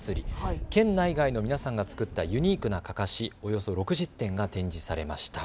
県内外の皆さんが作ったユニークなかかしおよそ６０点が展示されました。